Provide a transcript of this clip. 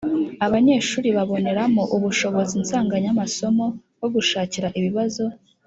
abanyeshuri baboneramo ubushobozi nsanganyamasomo bwo gushakira ibibazo